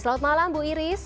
selamat malam bu iris